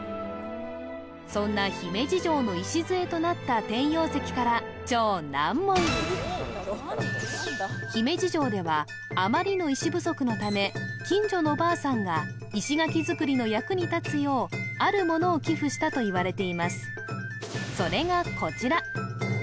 そんな姫路城の礎となった転用石から姫路城ではあまりの石不足のため近所のお婆さんが石垣造りの役に立つようあるものを寄付したといわれています